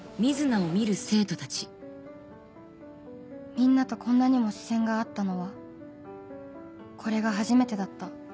みんなとこんなにも視線が合ったのはこれが初めてだった